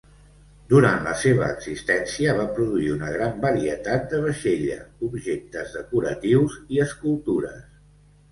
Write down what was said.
Durant la seva existència, va produir una gran varietat de vaixella, objectes decoratius i escultures.